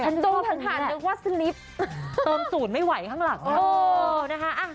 ชอบเหมือนว่าโจมศูนย์ไม่ไหวข้างหลัง